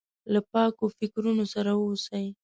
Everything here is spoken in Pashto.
له پاکو فکرونو سره واوسي.